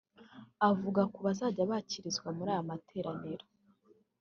Avuga kubazajya bakirizwa muri aya materaniro